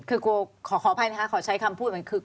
คือกลัวขออภัยนะคะขอใช้คำพูดเหมือนคือ